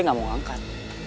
dia gak mau angkat